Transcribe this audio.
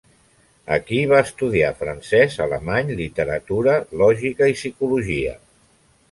Aquí "va estudiar francès, alemany, literatura, lògica i psicologia".